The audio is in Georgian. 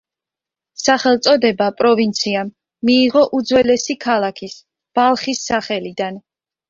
სახელწოდება პროვინციამ მიიღო უძველესი ქალაქის ბალხის სახელიდან.